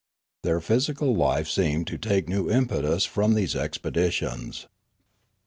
Their physical life seemed to take new impetus from these expeditions.